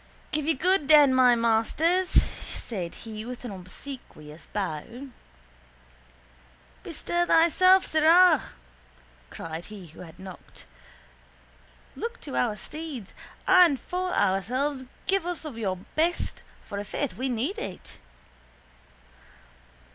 —Give you good den, my masters, said he with an obsequious bow. —Bestir thyself, sirrah! cried he who had knocked. Look to our steeds. And for ourselves give us of your best for ifaith we need it.